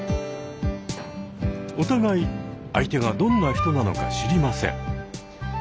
お互い相手がどんな人なのか知りません。